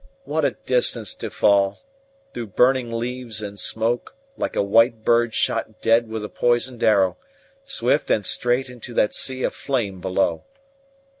What a distance to fall, through burning leaves and smoke, like a white bird shot dead with a poisoned arrow, swift and straight into that sea of flame below!